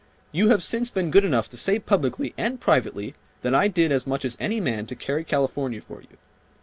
You have since been good enough to say publicly and privately that I did as much as any man to carry California for you.